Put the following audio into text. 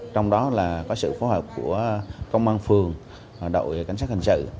trong đó là có sự phối hợp của công an phường đội cảnh sát hành trự